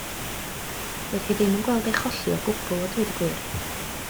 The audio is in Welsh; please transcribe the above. Doedd hi ddim yn gweld ei cholli o gwbl a dweud y gwir.